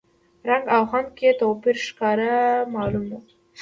رنګ او خوند کې یې توپیر ښکاره معلوم و.